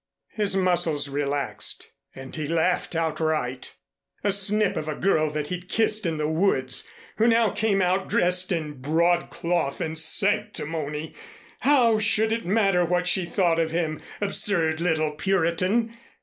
His muscles relaxed and he laughed outright. A snip of a girl that he'd kissed in the woods, who now came out dressed in broadcloth and sanctimony! How should it matter what she thought of him? Absurd little Puritan!